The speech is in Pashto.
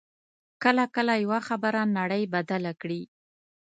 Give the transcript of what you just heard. کله کله یوه خبره نړۍ بدله کړي